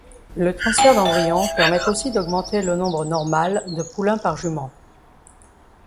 Le transfert d'embryon permet aussi d'augmenter le nombre normal de poulains par jument.